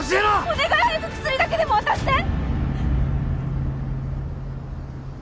お願い早く薬だけでも渡して！